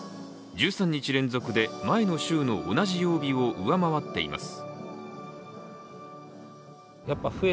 １３日連続で前の週の同じ曜日を上回っています。